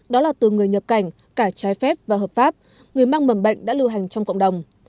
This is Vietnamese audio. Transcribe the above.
đó là từ người nhập cảnh cả trái phép và hợp pháp người mang mầm bệnh đã lưu hành trong cộng đồng